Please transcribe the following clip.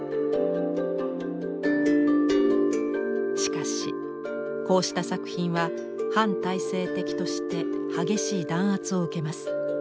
しかしこうした作品は反体制的として激しい弾圧を受けます。